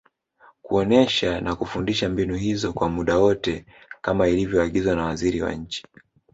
kuonesha na kufundisha mbinu hizo kwa muda wote kama ilivyoagizwa na Waziri wa Nchi